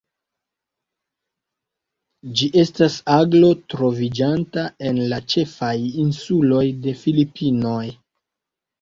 Ĝi estas aglo troviĝanta en la ĉefaj insuloj de Filipinoj.